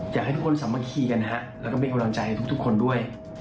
อยากให้ทุกคนสามัคคีกันนะฮะแล้วก็เป็นกำลังใจทุกคนด้วย